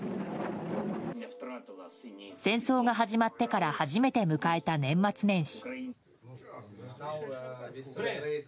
戦争が始まってから初めて迎えた年末年始。